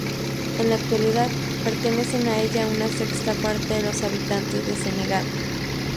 En la actualidad, pertenecen a ella una sexta parte de los habitantes de Senegal.